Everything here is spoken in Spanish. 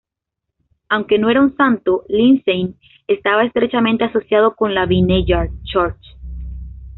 Aunque no era un santo, Lindsey estaba estrechamente asociado con la Vineyard Church.